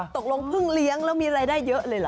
ตกลงเพิ่งเลี้ยงแล้วมีรายได้เยอะเลยเหรอ